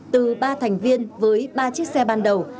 từ ba thành viên với ba chiếc xe ban đầu